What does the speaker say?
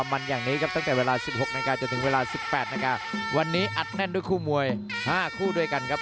ในวันนี้แอดแน่นทุกคู่มาไวน์๕คู่ด้วยกันครับ